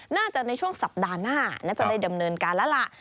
น่าจะในช่วงสัปดาห์หน้าน่าจะได้ดำเนินการละละ